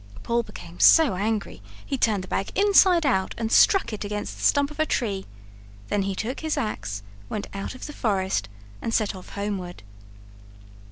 Paul became so angry he turned the bag inside out and struck it against the stump of a tree; then lie took his ax, went out of the forest, and set off homeward.